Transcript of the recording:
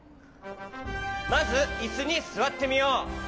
まずいすにすわってみよう。